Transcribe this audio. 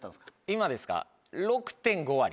今ですか？